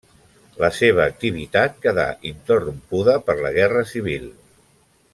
La seva activitat quedà interrompuda per la Guerra Civil.